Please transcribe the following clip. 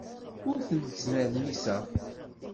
Ur ten-ttnermiseɣ.